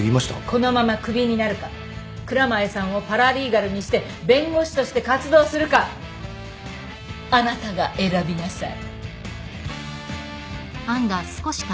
このまま首になるか蔵前さんをパラリーガルにして弁護士として活動するかあなたが選びなさい。